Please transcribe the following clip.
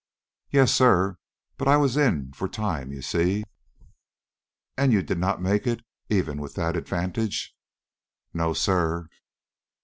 "Yes, sir. But I was in for time, you see." "And you did not make it even with that advantage?" "No, sir."